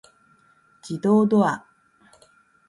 自動ドア